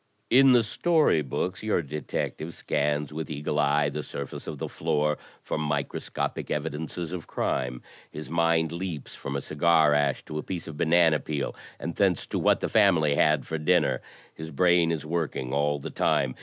In the story books your detective scans with eagle eye the surface of the floor for microscopic evidences of crime. His mind leaps from a cigar ash to a piece of banana peel and thence to what the family had for dinner. His brain is work ing all the time.